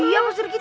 iya pak sri kiti